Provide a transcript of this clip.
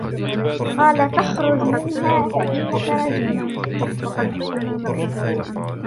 قَالَ فَاخْرُجْ مِنْهَا فَإِنَّكَ رَجِيمٌ